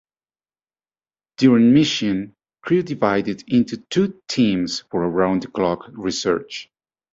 During mission, crew divided into two teams for around-the-clock research.